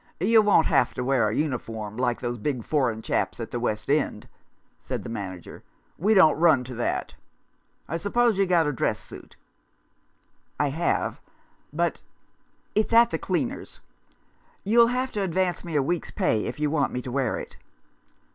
"You won't have to wear a uniform like those big foreign chaps at the West End," said the manager. "We don't run to that. I suppose you've got a dress suit ?"" I have ; but it's — at the cleaner's. You'll have to advance me a week's pay if you want me to wear it."